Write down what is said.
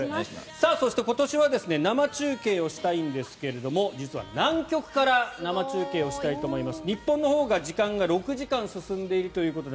そして、今年は生中継をしたいんですが実は南極から生中継をしたいと思います。